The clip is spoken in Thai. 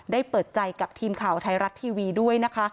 เปิดใจกับทีมข่าวไทยรัฐทีวีด้วยนะคะ